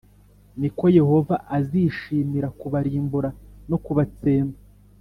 ni ko Yehova azishimira kubarimbura no kubatsemba.